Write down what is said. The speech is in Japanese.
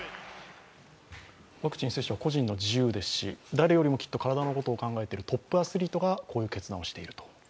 ワクチン接種は個人の自由ですし、誰よりもきっと体のことを考えているトップアスリートがこういう決断をしていると。